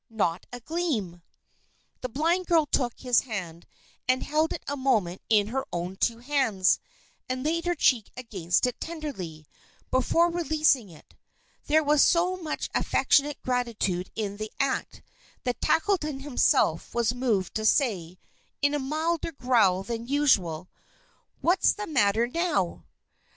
Not a gleam!" The blind girl took his hand, and held it a moment in her own two hands, and laid her cheek against it tenderly, before releasing it. There was so much affectionate gratitude in the act, that Tackleton himself was moved to say, in a milder growl than usual: "What's the matter now?"